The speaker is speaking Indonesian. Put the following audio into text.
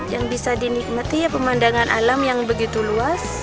yang bisa dinikmati ya pemandangan alam yang begitu luas